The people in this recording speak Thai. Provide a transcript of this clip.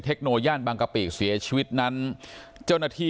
ด้วยเทคโนอย่างบางกะปรูกเสียชีวิตนั้นเจ้าหน้าที่